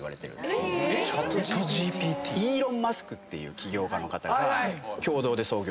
何⁉イーロン・マスクっていう起業家の方が共同で創業しているんですけど。